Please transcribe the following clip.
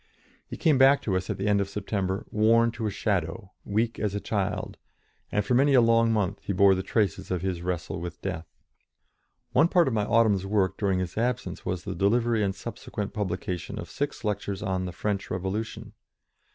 He came back to us at the end of September, worn to a shadow, weak as a child, and for many a long month he bore the traces of his wrestle with death. One part of my autumn's work during his absence was the delivery and subsequent publication of six lectures on the French Revolution.